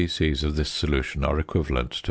c. of this solution are equivalent to 0.